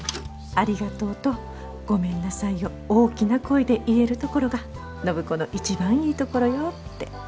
「ありがとう」と「ごめんなさい」を大きな声で言えるところが暢子の一番いいところよって。